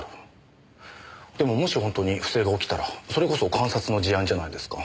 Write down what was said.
でももし本当に不正が起きたらそれこそ監察の事案じゃないですか。